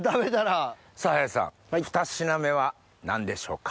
さぁ林さんふた品目は何でしょうか？